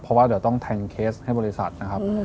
เพราะว่าเดี๋ยวต้องแทงเคสให้บริษัทนะครับ